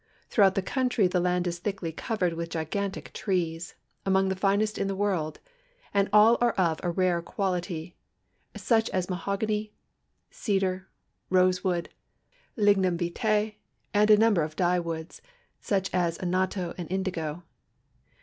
Through out the country the land is thickly covered with gigantic trees, among the finest in the world, and all are of a rare quality, such as mahogany, cedar, rosewood, ligmun vita', and a number of dye woods, such as anatto and indigo.